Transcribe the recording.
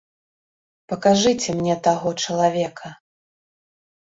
Пакажыце мне таго чалавека.